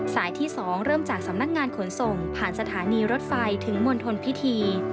ที่๒เริ่มจากสำนักงานขนส่งผ่านสถานีรถไฟถึงมณฑลพิธี